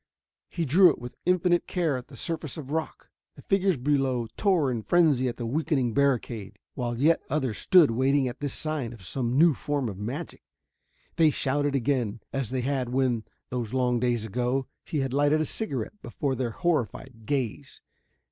He drew it with infinite care on the surface of rock. The figures below tore in frenzy at the weakening barricade, while yet others stood waiting at this sign of some new form of magic. They shouted again, as they had when, those long days ago, he had lighted a cigarette before their horrified gaze.